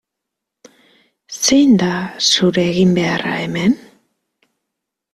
Zein da zure eginbeharra hemen?